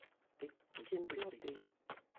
Tim piyo piyo